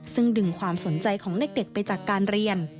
ซึ่งดึงความสนใจของเด็กไปจากการเรียน